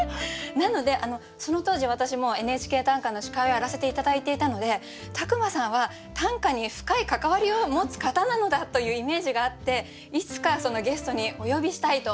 なのでその当時私もう「ＮＨＫ短歌」の司会をやらせて頂いていたので宅間さんは短歌に深い関わりを持つ方なのだというイメージがあっていつかゲストにお呼びしたいと。